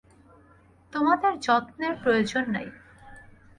তোমাদের যত্নের প্রয়োজন নেই।